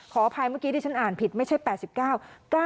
ขออภัยเมื่อกี้ที่ฉันอ่านผิดไม่ใช่๘๙